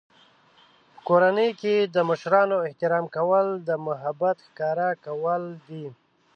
په کورنۍ کې د مشرانو احترام کول د محبت ښکاره کول دي.